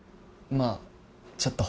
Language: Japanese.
まあちょっと。